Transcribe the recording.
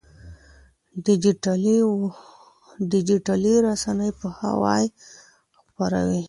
ډيجيټلي رسنۍ پوهاوی خپروي.